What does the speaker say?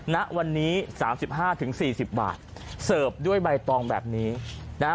ณวันนี้สามสิบห้าถึงสี่สิบบาทเสิร์ฟด้วยใบตองแบบนี้นะฮะ